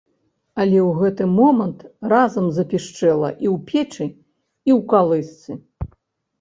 Але ў гэты момант разам запішчэла і ў печы, і ў калысцы.